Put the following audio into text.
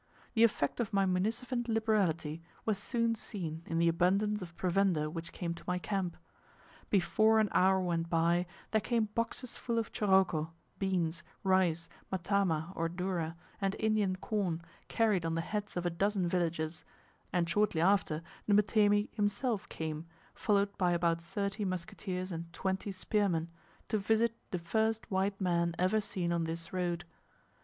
The effect of my munificent liberality was soon seen in the abundance of provender which came to my camp. Before an hour went by, there came boxes full of choroko, beans, rice, matama or dourra, and Indian corn, carried on the heads of a dozen villagers, and shortly after the Mtemi himself came, followed by about thirty musketeers and twenty spearmen, to visit the first white man ever seen on this road.